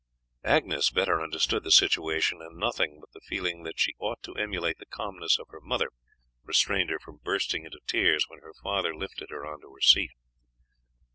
Agnes better understood the situation, and nothing but the feeling that she ought to emulate the calmness of her mother restrained her from bursting into tears when her father lifted her on to her seat.